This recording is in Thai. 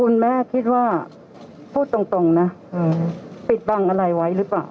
คุณแม่คิดว่าพูดตรงนะปิดบังอะไรไว้หรือเปล่า